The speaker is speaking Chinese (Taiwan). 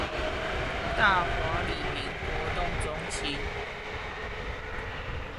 大華里民活動中心